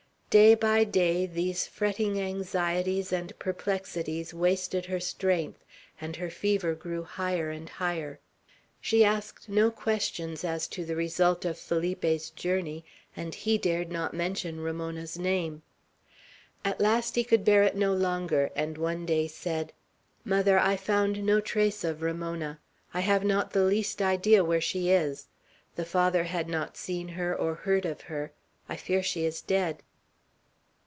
Day by day these fretting anxieties and perplexities wasted her strength, and her fever grew higher and higher. She asked no questions as to the result of Felipe's journey, and he dared not mention Ramona's name. At last he could bear it no longer, and one day said, "Mother, I found no trace of Ramona. I have not the least idea where she is. The Father had not seen her or heard of her. I fear she is dead."